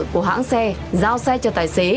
của hãng xe giao xe cho tài xế